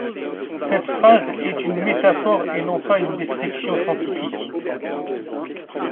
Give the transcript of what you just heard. Cette phrase est une métaphore et non pas une description scientifique.